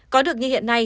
có được như hiện nay